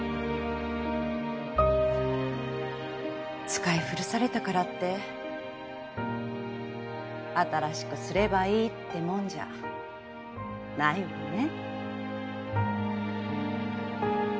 使い古されたからって新しくすればいいってもんじゃないわね。